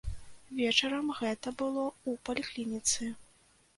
Вечарам гэта было ў паліклініцы.